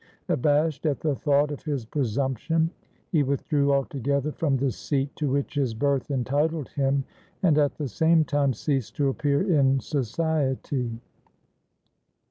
Abashed at the thought of his presumption he withdrew altogether from the seat to which his birth entitled him, and at the same time ceased to appear in Society.